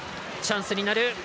チャンスになる！